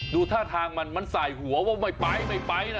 ดูท่าทางมันมันสายหัวว่าไม่ไปไม่ไปนะ